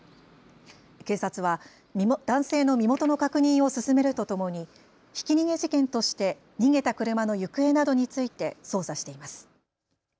警察は男性の身元の確認を進めるとともにひき逃げ事件として逃げた車の行方などについて捜査しています。